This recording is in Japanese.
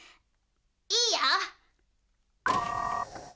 いいよ。